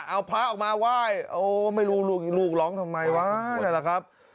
เอาพระออกมาไหว้โอ้ไม่รู้ลูกร้องทำไมวะนั่นแหละครับ